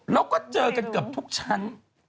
แล้วก็เจอกันเกือบทุกชั้น